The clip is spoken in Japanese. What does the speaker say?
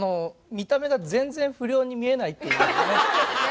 見た目が全然不良に見えないっていうね。